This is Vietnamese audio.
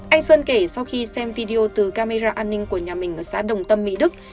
anh sơn kể sau khi xem video từ camera an ninh của nhà mình ở xã đồng tâm mỹ đức